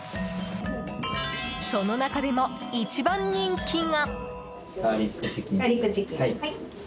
その中でも一番人気が。